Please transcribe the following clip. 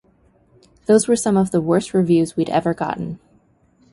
Those were some of the worst reviews we'd ever gotten.